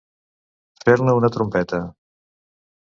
Fer-ne una trompeta.